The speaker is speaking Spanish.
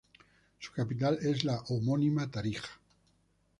Su capital es la homónima Tarija.